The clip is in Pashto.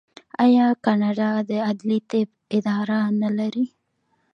آیا کاناډا د عدلي طب اداره نلري؟